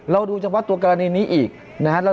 ดูเฉพาะตัวกรณีนี้อีกนะครับ